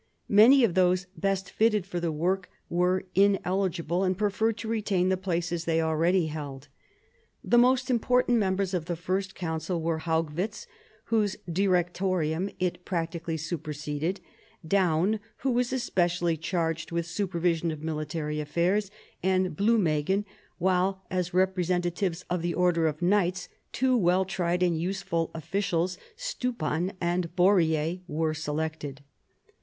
Many of those best fitted for the work were ineligible, and preferred to retain the places they already held. The most important members of the first Council were Haugwitz, whose Directorium it practically superseded, Daun, who was especially charged with the supervision of military affairs, and Blumegen ; whilej as represent atives of the order of knights, two well tried and useful officials, Stupan and Borie\ were selected.